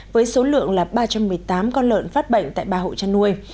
với số lượng là ba trăm một mươi tám con lợn phát bệnh tại ba hộ chăn nuôi